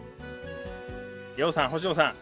洋さん星野さん